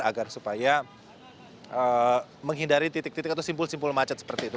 agar supaya menghindari titik titik atau simpul simpul macet seperti itu